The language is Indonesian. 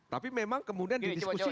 tapi memang kemudian didiskusi